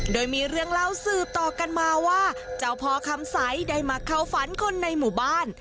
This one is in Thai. โดยมีเรื่องเล่าสืบต่อกันมาว่าเจ้าพ่อคำใสได้มาเข้าฝันคนในหมู่บ้าน